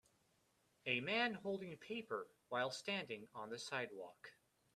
A man holding paper while standing on the sidewalk.